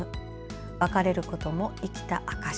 別れることも生きた証し。